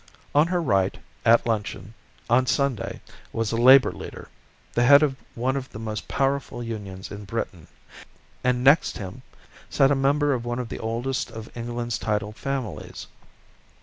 On her right, at luncheon on Sunday, was a labour leader, the head of one of the most powerful unions in Britain, and next him sat a member of one of the oldest of England's titled families.